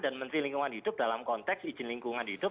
dan menteri lingkungan hidup dalam konteks izin lingkungan hidup